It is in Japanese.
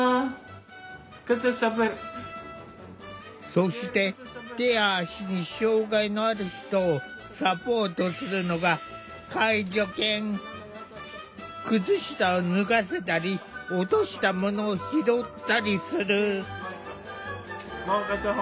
そして手や足に障害のある人をサポートするのが靴下を脱がせたり落としたものを拾ったりする。